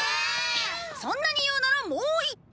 そんなに言うならもう１個。